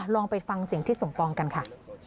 ลองไปฟังสิ่งที่ส่งปองกันค่ะ